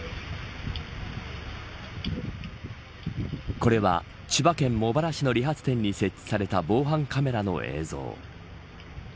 これは千葉県茂原市の理髪店に設置された防犯カメラの映像。